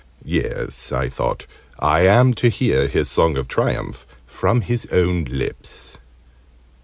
"Yes," I thought, "I am to hear his song of triumph from his own lips!"